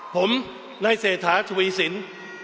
ผมนายเศรษฐาธุวีศิลป์